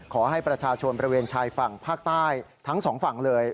ขอให้ประชาชนบริเวณชายฝั่งภาคใต้ทั้งสองฝั่งเลย